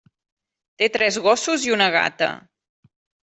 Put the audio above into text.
Té tres gossos i una gata.